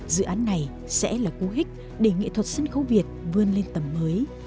dự án này sẽ là cú hích để nghệ thuật sân khấu việt vươn lên tầm mới